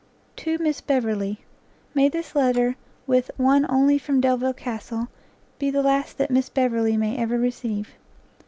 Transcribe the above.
To Miss Beverley. May this letter, with one only from Delvile Castle, be the last that Miss Beverley may ever receive!